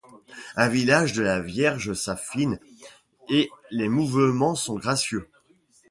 Le visage de la Vierge s'affine et les mouvements sont gracieux.